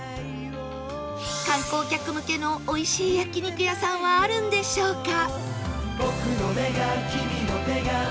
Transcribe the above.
観光客向けのおいしい焼肉屋さんはあるんでしょうか？